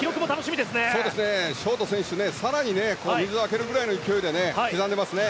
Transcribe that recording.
ショート選手更に水をあけるくらいの勢いで刻んでますね。